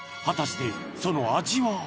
［果たしてその味は］